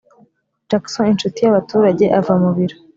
jackson, 'inshuti y'abaturage,' ava mu biro